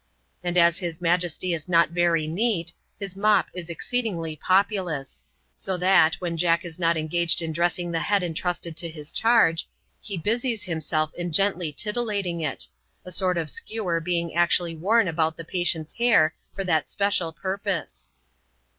And as his majesty is not very neat, his mop is exceed ingly populous ; so that, when Jack is not engaged in dresfflng the head intrusted to his charge, be busies himself in gently titillating it— a sort of skewer being actually worn about in the patient's hair for that special purpose.